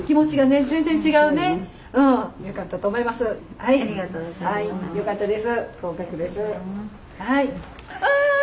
はいよかったです。